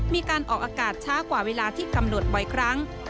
มีการออกอากาศช้ากว่าเวลาที่กำหนดบ่อยครั้ง